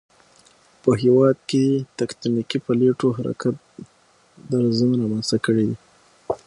په هېواد کې تکتونیکی پلیټو حرکت درزونه رامنځته کړي دي